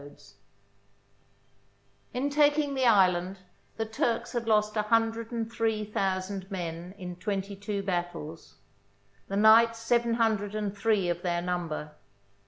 ' THE SIEGE OF RHODES In taking the island the Turks had lost a hun dred and three thousand men in twenty two battles ; the knights seven hundred and three of their num ber.